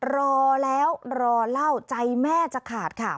รอแล้วรอเล่าใจแม่จะขาดค่ะ